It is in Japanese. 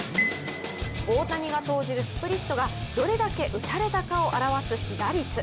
大谷が投じるスプリットが、どれだけ打たれたかを表す被打率。